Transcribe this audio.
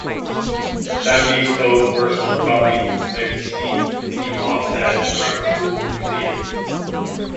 Sandys's own personal copy may be seen in the Hawkshead Grammar School Museum.